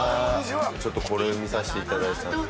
今ちょっとこれ見させていただいてた。